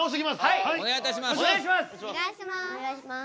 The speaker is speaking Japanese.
はいお願いいたします。